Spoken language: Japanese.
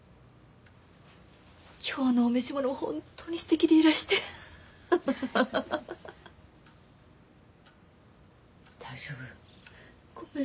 今日のお召し物も本当にすてきでいらしてフフフ。大丈夫？ごめん。